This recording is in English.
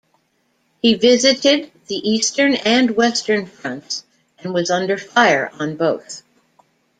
He visited the Eastern and Western Fronts and was under fire on both.